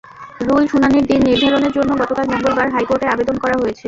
Rule শুনানির দিন নির্ধারণের জন্য গতকাল মঙ্গলবার হাইকোর্টে আবেদন করা হয়েছে।